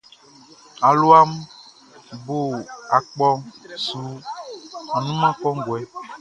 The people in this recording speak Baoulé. Aluaʼn bo akpɔʼn su annunman kɔnguɛ.